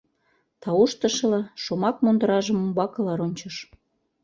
Тауштышыла, шомак мундыражым умбакыла рончыш: